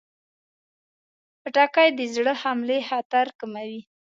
خټکی د زړه حملې خطر کموي.